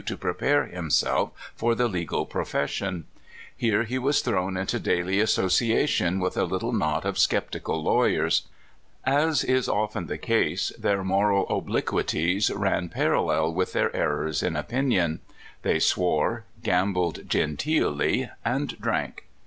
65 to prepare himself for the legal profession. Here he was thrown into daily association with a little knot of skeptical lawyers. As is often the case, their moral obliquities ran parallel with their er rors in opinion. They swore, gambled genteelly, and drank.